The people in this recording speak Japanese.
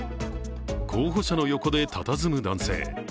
候補者の横でたたずむ男性。